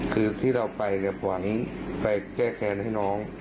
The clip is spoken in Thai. คือที่เราไปเนี่ยหวังไปแก้แค้นให้น้อง